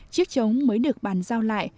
chiếc trống mới được bàn giao lại